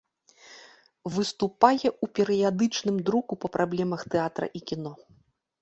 Выступае ў перыядычным друку па праблемах тэатра і кіно.